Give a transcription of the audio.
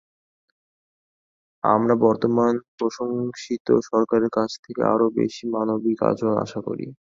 আমরা বর্তমান প্রশংসিত সরকারের কাছ থেকে আরও বেশি মানবিক আচরণ আশা করি।